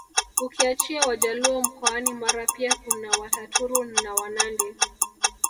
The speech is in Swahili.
Ukiachia Wajaluo mkoani Mara pia kuna Wataturu na Wanandi